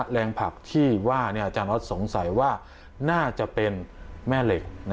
แรงผักที่ว่าอาจารย์ออสสงสัยว่าน่าจะเป็นแม่เหล็ก